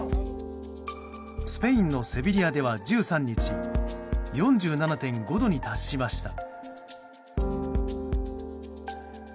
スペインのセビリアでは１３日４７．５度に達しました。